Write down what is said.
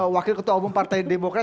wakil ketua umum partai demokrat